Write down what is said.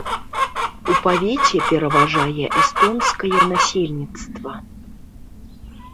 У павеце пераважае эстонскае насельніцтва.